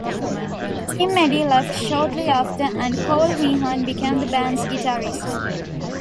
Tim Edey left shortly after, and Paul Meehan became the band's guitarist.